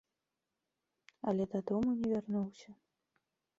Але дадому не вярнуўся.